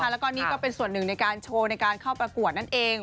แล้วก็นี่ก็เป็นส่วนหนึ่งในการโชว์ในการเข้าประกวดนั่นเอง